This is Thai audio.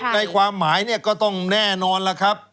ในความหมายเนี่ยก็ต้องแน่นอนล่ะครับ